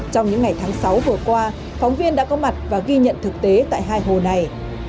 trong những ngày tháng sáu vừa qua phóng viên đã có mặt và ghi nhận thực tế tại hai hồ này